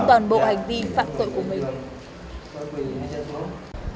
toàn bộ hành vi phạm tội của mình